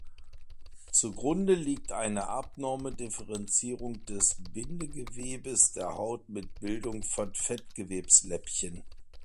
Zugrunde liegt eine abnorme Differenzierung des Bindegewebes der Haut mit Bildung von Fettgewebsläppchen.